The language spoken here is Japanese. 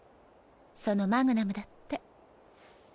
そのマグナムだって。